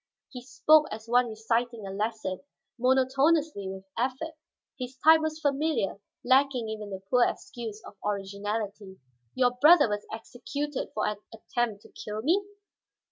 He spoke as one reciting a lesson, monotonously, with effort. His type was familiar, lacking even the poor excuse of originality. "Your brother was executed for an attempt to kill me?"